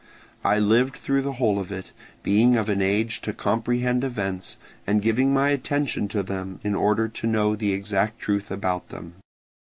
I lived through the whole of it, being of an age to comprehend events, and giving my attention to them in order to know the exact truth about them.